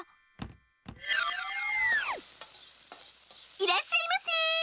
いらっしゃいませ！